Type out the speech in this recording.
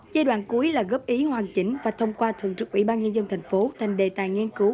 giai đoạn cuối là góp ý hoàn chỉnh và thông qua thượng trực ubnd tp thành đề tài nghiên cứu